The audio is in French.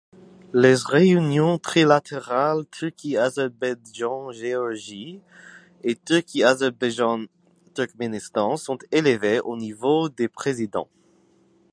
Les réunions trilatérales Turquie-Azerbaïdjan-Géorgie et Turquie-Azerbaïdjan-Turkménistan sont élevées au niveau des présidents.